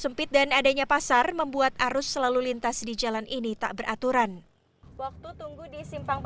sempit dan adanya pasar membuat arus selalu lintas di jalan ini tak beraturan waktu tunggu di simpang